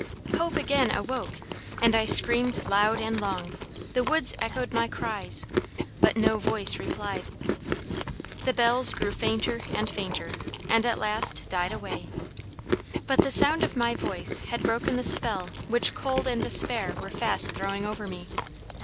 Hope again awoke, and I screamed loud and long; the woods echoed my cries, but no voice replied. The bells grew fainter and fainter, and at last died away. But the sound of my voice had broken the spell which cold and despair were fast throwing over me.